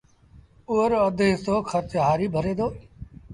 اُئي رو اڌ هسو کرچ هآريٚ ڀري دو